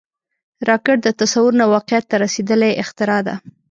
راکټ د تصور نه واقعیت ته رسیدلی اختراع ده